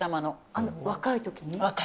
あの若いときに？